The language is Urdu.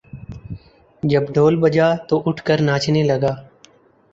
جب ڈھول بجا تو اٹھ کر ناچنے لگا